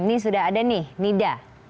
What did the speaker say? ini sudah ada nih nida